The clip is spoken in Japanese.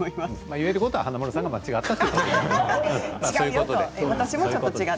言えることは華丸さんが間違っていたということですね。